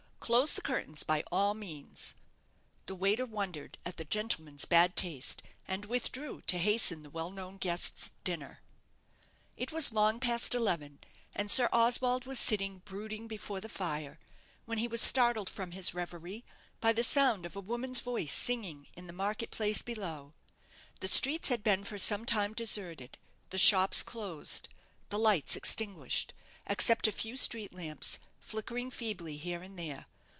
Close the curtains by all means." The waiter wondered at the gentleman's bad taste, and withdrew to hasten the well known guest's dinner. It was long past eleven, and Sir Oswald was sitting brooding before the fire, when he was startled from his reverie by the sound of a woman's voice singing in the market place below. The streets had been for some time deserted, the shops closed, the lights extinguished, except a few street lamps, flickering feebly here and there.